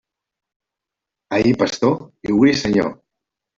Ahir pastor i hui senyor.